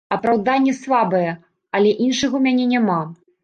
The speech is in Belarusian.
Апраўданне слабае, але іншага ў мяне няма.